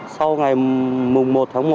sau ngày mùng một tháng một